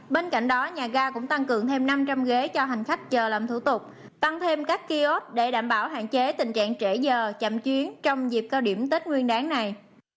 bên cạnh đó nhà ga cũng tăng cường thêm năm trăm linh ghế cho hành khách chờ làm thủ tục tăng thêm các kiosk để đảm bảo hạn chế tình trạng trễ giờ chậm chuyến trong dịp cao điểm tết nguyên đáng này